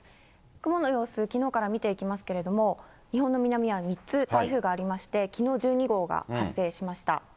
雲の様子、きのうから見ていきますけれども、日本の南には３つ台風がありまして、きのう１２号が発生しました。